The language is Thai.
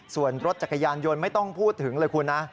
ส่วนรถจักรยานยนต์ไม่ต้องพูดถึงเลยคุณนะ